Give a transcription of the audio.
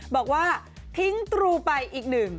บอกว่าทิ้งตรูไปอีกหนึ่ง